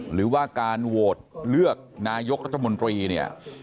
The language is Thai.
หรือว่าการโหวตเลือกนายกรัฐมนตรีเนี่ย